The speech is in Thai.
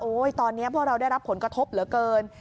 ตอนนี้พวกเราได้รับผลกระทบเหลือเกิน